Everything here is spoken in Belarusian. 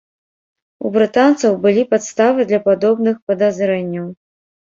У брытанцаў былі падставы для падобных падазрэнняў.